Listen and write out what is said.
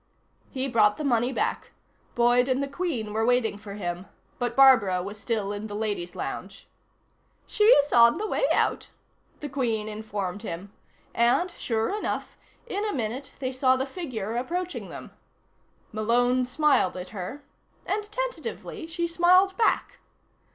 He brought the money back. Boyd and the Queen were waiting for him, but Barbara was still in the ladies' lounge. "She's on the way out," the Queen informed him, and, sure enough, in a minute they saw the figure approaching them. Malone smiled at her, and, tentatively, she smiled back.